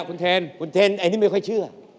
คุณเทนคุณเทนอันนี้ไม่ค่อยเชื่อ